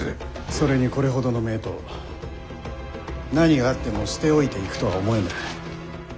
それにこれほどの名刀何があっても捨て置いていくとは思えぬ。